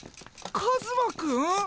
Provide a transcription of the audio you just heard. カズマくん？